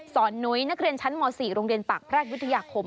นุ้ยนักเรียนชั้นม๔โรงเรียนปากแพรกวิทยาคม